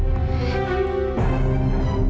yang sepupu kenang